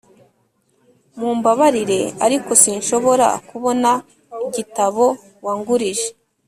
mumbabarire, ariko sinshobora kubona igitabo wangurije.